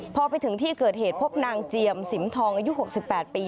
พอไปถึงที่เกิดเหตุพบนางเจียมสิมทองอายุ๖๘ปี